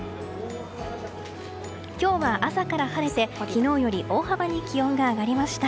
今日は朝から晴れて昨日より大幅に気温が上がりました。